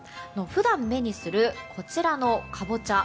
普段、目にするこちらのカボチャ